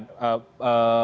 ada pak arief baswedan